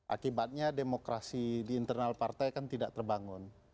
akibatnya demokrasi di internal partai kan tidak terbangun